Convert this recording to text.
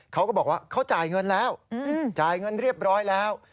เขาก็บอกว่าเขาจ่ายเงินแล้วจ่ายเงินเรียบร้อยแล้ว